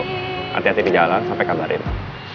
hati hati di jalan sampe kabar rina